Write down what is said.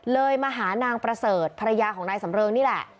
มาหานางประเสริฐภรรยาของนายสำเริงนี่แหละ